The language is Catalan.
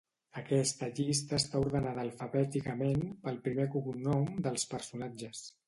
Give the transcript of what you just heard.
Aquesta llista està ordenada alfabèticament pel primer cognom dels personatges.